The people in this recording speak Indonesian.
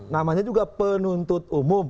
namanya juga penuntut umum